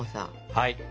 はい。